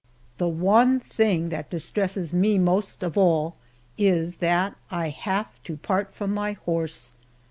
The one thing that distresses me most of all is, that I have to part from my horse!